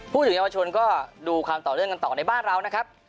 ถึงเยาวชนก็ดูความต่อเนื่องกันต่อในบ้านเรานะครับ